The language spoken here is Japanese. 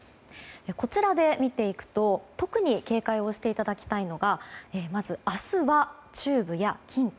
こちらで見ていくと特に警戒をしていただきたいのがまず、明日は中部や近畿。